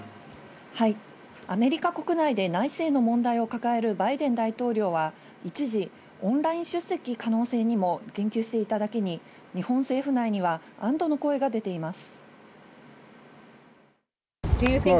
アメリカ国内で内政の問題を抱えるバイデン大統領は一時オンライン出席の可能性にも言及していただけに、日本政府内には安堵の声が出ています。